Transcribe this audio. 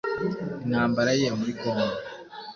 intambara ye muri congo,